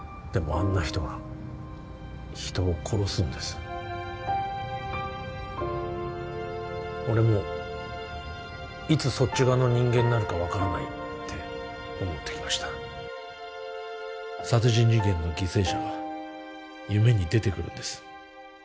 あんな人が人を殺すんです俺もいつそっち側の人間になるか分からないって思ってきました殺人事件の犠牲者が夢に出てくるんです